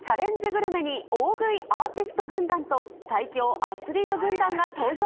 グルメに大食いアーティスト軍団と最強アスリート軍団が登場。